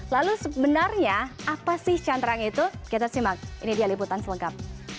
lalu sebenarnya apa sih cantrang itu kita simak ini dia liputan selengkap